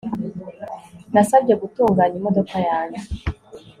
Nabasabye gutunganya imodoka yanjye